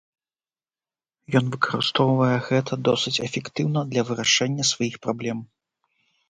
Ён выкарыстоўвае гэта досыць эфектыўна для вырашэння сваіх праблем.